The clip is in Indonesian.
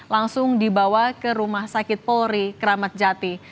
langsung dibawa ke rumah sakit polri kramatjati